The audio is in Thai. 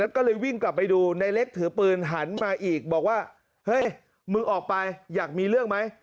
ก็เลยวิ่งกลับไปดูในเล็กถือปืนหันมาอีกบอกว่าเฮ้ยมึงออกไปอยากมีเรื่องไหม